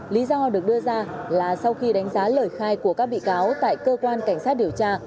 lý do được đưa ra là sau khi đánh giá lời khai của các bị cáo tại cơ quan cảnh sát điều tra